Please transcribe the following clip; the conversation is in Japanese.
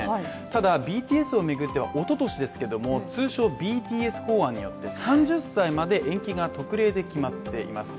ただＢＴＳを巡ってはおととしですけれども通称ＢＴＳ法案によって、３０歳まで延期が特例で決まっています。